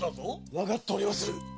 わかっております。